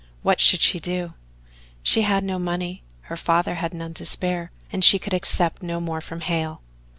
What should she do? She had no money, her father had none to spare, and she could accept no more from Hale.